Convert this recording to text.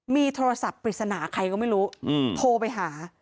มีโทรศัพท์ปริศนาใครก็ไม่รู้โทรไปหา